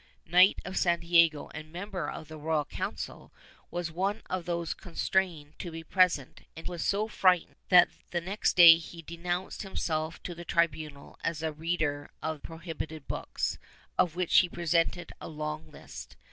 Knight of Santiago and member of the Royal Council, was one of those constrained to be present, and was so frightened that the next day he denounced himself to the tribunal as a reader of prohibited books, of which he presented a long list.